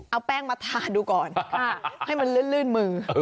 เอาแป้งมาทาดูก่อนให้มันลื่นมือ